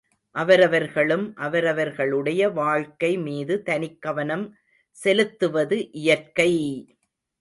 அவரவர்களும் அவரவர்களுடைய வாழ்க்கை மீது தனிக் கவனம் செலுத்துவது இயற்கை!